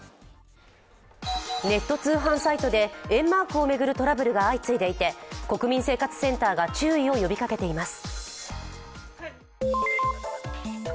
ネット通販サイトで￥マークを巡るトラブルが相次いでいて国民生活センターが注意を呼びかけています。